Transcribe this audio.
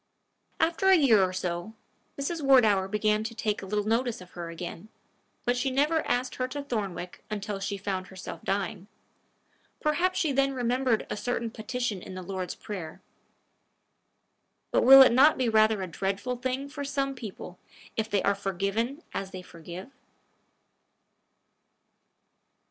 After a year or so, Mrs. Wardour began to take a little notice of her again; but she never asked her to Thornwick until she found herself dying. Perhaps she then remembered a certain petition in the Lord's prayer. But will it not be rather a dreadful thing for some people if they are forgiven as they forgive?